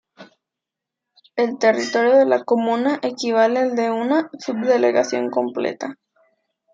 El territorio de la comuna equivale al de una subdelegación completa.